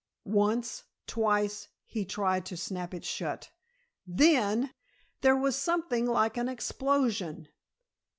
Once, twice, he tried to snap it shut. Then there was something like an explosion!